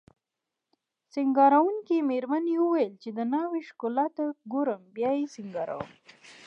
سینګاروونکې میرمنې وویل چې د ناوې ښکلا ته ګورم بیا یې سینګاروم